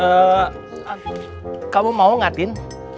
eee kamu mau gak din